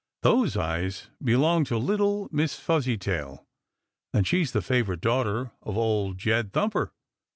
"Those eyes belong to little Miss Fuzzy tail, and she's the favorite daughter of Old Jed Thumper.